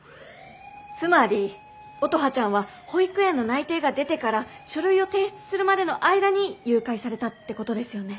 つまり乙葉ちゃんは保育園の内定が出てから書類を提出するまでの間に誘拐されたってことですよね？